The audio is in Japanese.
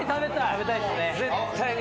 食べたいですね。